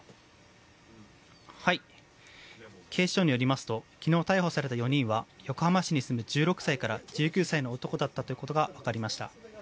警視庁によりますと昨日逮捕された４人は横浜市に住む１６歳から１９歳の男だったということがわかりました。